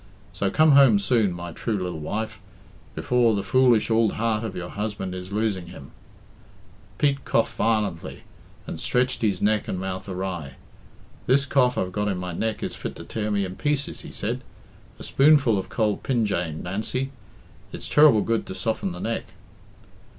So come home soon, my true lil wife, before the foolish ould heart of your husband is losing him' " Pete coughed violently, and stretched his neck and mouth awry. "This cough I've got in my neck is fit to tear me in pieces," he said. "A spoonful of cold pinjane, Nancy it's ter'ble good to soften the neck."